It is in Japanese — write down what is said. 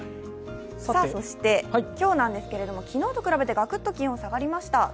そして今日なんですけれども、昨日と比べてガクッと気温が下がりました。